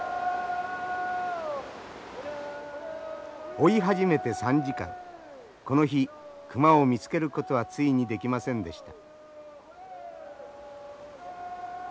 追い始めて３時間この日熊を見つけることはついにできませんでした。